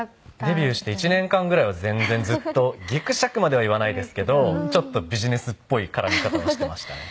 デビューして１年間ぐらいは全然ずっとギクシャクまでは言わないですけどちょっとビジネスっぽい絡み方をしてましたね。